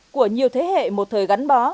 của nhiều thế hệ một thời gắn bó